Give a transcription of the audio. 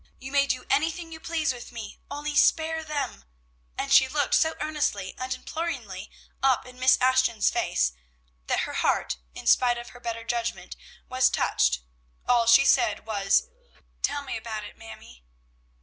You may do anything you please with me, only spare them," and she looked so earnestly and imploringly up in Miss Ashton's face, that her heart, in spite of her better judgment, was touched; all she said was, "Tell me about it, Mamie."